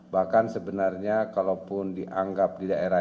bahkan sebenarnya kalaupun dianggap di dalam perjalanan ini